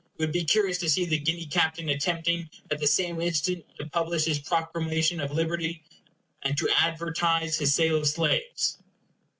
It would be curious to see the Guinea captain attempting at the same instant to publish his proclamation of liberty, and to advertise his sale of slaves.